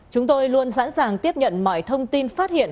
chúng tôi luôn sẵn sàng tiếp nhận mọi thông tin phát hiện